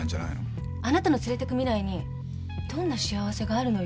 あなたの連れてく未来にどんな幸せがあるのよ？